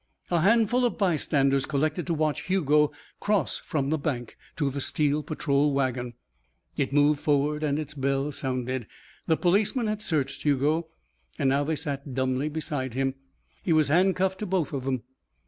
A handful of bystanders collected to watch Hugo cross from the bank to the steel patrol wagon. It moved forward and its bell sounded. The policemen had searched Hugo and now they sat dumbly beside him. He was handcuffed to both of them.